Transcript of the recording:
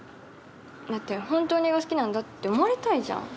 だってホントに映画好きなんだって思われたいじゃん